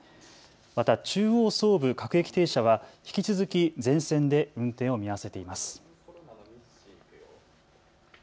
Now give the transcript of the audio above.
また中央・総武各駅停車は引き続き全線で運転を見合わせています。